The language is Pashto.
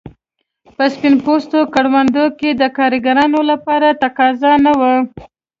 په سپین پوستو کروندو کې د کارګرانو لپاره تقاضا نه وه.